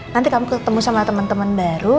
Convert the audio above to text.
nanti kamu ketemu sama teman teman baru